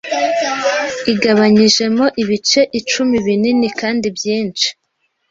igabanyijemo ibice icumi binini kandi byinshi